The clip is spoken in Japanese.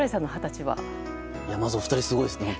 まず、お二人すごいですね。